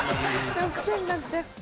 でも癖になっちゃう。